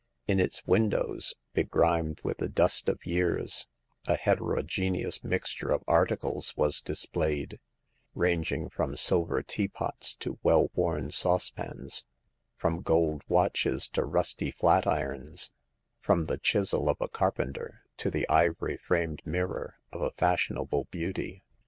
In its windows— be grimed with the dust of years— a heterogeneous mixture of articles was displayed, ranging from silver teapots to well worn saucepans ; from gold watches to rusty flatirons ; from the chisel of a carpenter to the ivory framed mirror of a fashion able beauty.